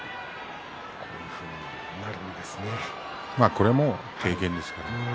これも経験ですね。